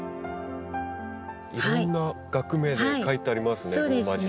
いろんな学名が書いてありますねローマ字で。